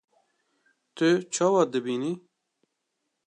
Tu çawa dibînî?